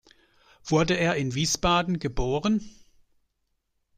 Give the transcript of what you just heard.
Wurde er in Wiesbaden geboren?